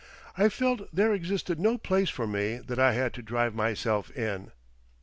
I felt there existed no place for me that I had to drive myself in.